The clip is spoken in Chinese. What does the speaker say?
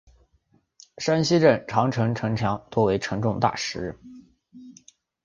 山西镇长城城墙多为沉重大石。